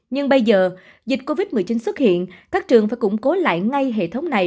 nhưng bây giờ dịch covid một mươi chín xuất hiện các trường phải củng cố lại ngay hệ thống này